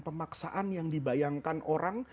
pemaksaan yang dibayangkan orang